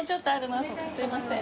すいません。